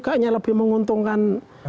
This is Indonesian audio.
kayaknya lebih menguntungkan